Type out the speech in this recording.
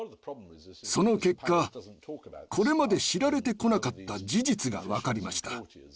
その結果これまで知られてこなかった事実が分かりました。